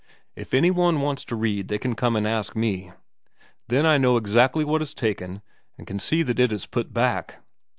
If any one wants to read they can come and ask me. Then I know exactly what is taken, and can see that it is put back.'